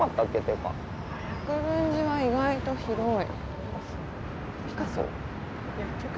国分寺は意外と広い。